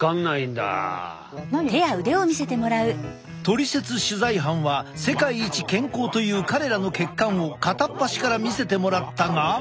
トリセツ取材班は世界一健康という彼らの血管を片っ端から見せてもらったが。